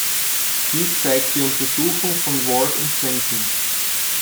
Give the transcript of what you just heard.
Dies zeigt die Untersuchung von Ward und Jenkins.